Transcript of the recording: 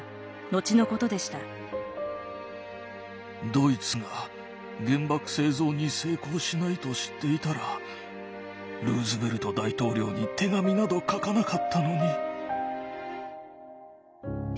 ドイツが原爆製造に成功しないと知っていたらルーズベルト大統領に手紙など書かなかったのに。